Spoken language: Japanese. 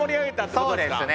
そうですね。